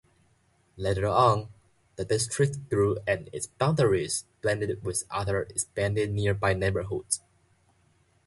Later on, the district grew and its boundaries blended with other expanding nearby neighborhoods.